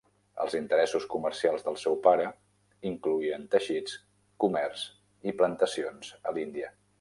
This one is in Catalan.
Els interessos comercials del seu pare incloïen teixits, comerç i plantacions a l'Índia.